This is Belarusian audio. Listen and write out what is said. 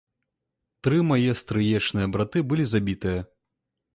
Тры мае стрыечныя браты былі забітыя.